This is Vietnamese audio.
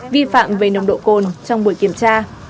vi phạm về nồng độ cồn trong buổi kiểm tra